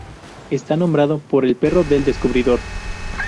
Está nombrado por el perro del descubridor.